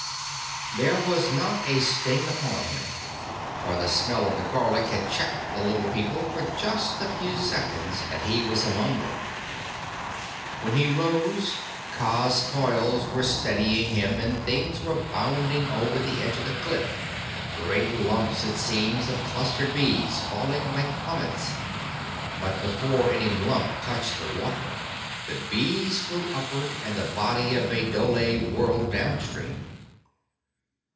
There was not a sting upon him, for the smell of the garlic had checked the Little People for just the few seconds that he was among them. When he rose Kaa's coils were steadying him and things were bounding over the edge of the cliff great lumps, it seemed, of clustered bees falling like plummets; but before any lump touched water the bees flew upward and the body of a dhole whirled down stream.